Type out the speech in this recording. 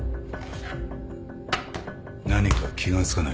何か気が付かないか？